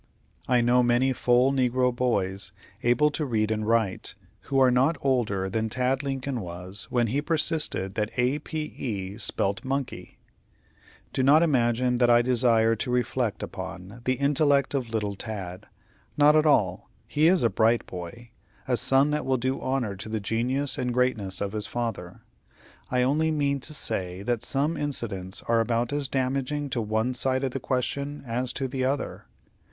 I know many full negro boys, able to read and write, who are not older than Tad Lincoln was when he persisted that A p e spelt monkey. Do not imagine that I desire to reflect upon the intellect of little Tad. Not at all; he is a bright boy, a son that will do honor to the genius and greatness of his father; I only mean to say that some incidents are about as damaging to one side of the question as to the other.